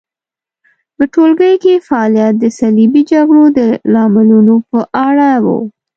په ټولګي کې فعالیت د صلیبي جګړو د لاملونو په اړه و.